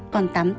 còn tắm tươi